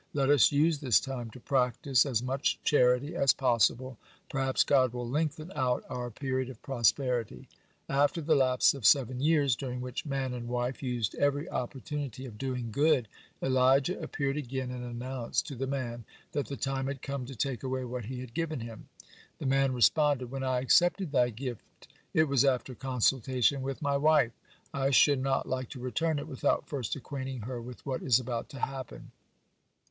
Let us use this time to practice as much charity as possible; perhaps God will lengthen out our period of prosperity." After the lapse of seven years, during which man and wife used every opportunity of doing good, Elijah appeared again, and announced to the man that the time had come to take away what he had given him. The man responded: "When I accepted thy gift, it was after consultation with my wife. I should not like to return it without first acquainting her with what is about to happen."